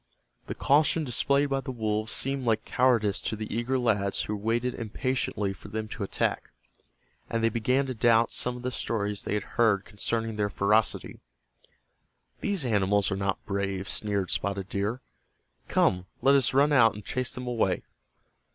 The caution displayed by the wolves seemed like cowardice to the eager lads who waited impatiently for them to attack, and they began to doubt some of the stories they had heard concerning their ferocity. "These animals are not brave," sneered Spotted Deer. "Come, let us run out and chase them away."